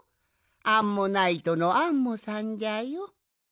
アンモナイトのアンモさんじゃよ。